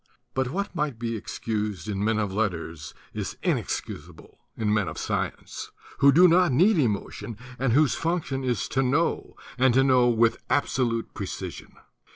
But what might be excused in men of letters is inexcusable in men of science, who do not need emotion and whose function it is to know, and to know with absolute pre cision.